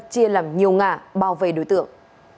chia làm nhiều ngả bao vây đối tượng